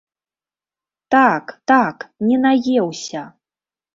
Так, так, не наеўся!